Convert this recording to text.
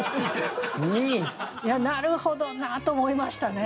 なるほどなと思いましたね。